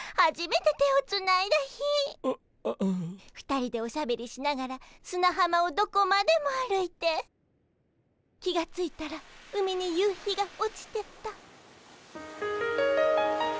２人でおしゃべりしながらすなはまをどこまでも歩いて気が付いたら海に夕日が落ちてた。